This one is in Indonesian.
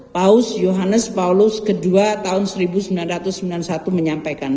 paus johannes paulus ii tahun seribu sembilan ratus sembilan puluh satu menyampaikan